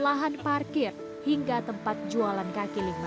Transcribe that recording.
lahan parkir hingga tempat jualan kaki lima